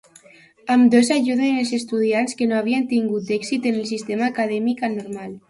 Ambdós ajuden els estudiants que no havien tingut èxit en el sistema acadèmica normal.